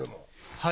はい。